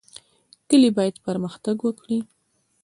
کلي باید پرمختګ وکړي